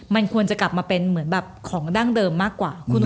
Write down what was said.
มันควรจะกลับมาเป็นเหมือนแบบของดั้งเดิมมากกว่า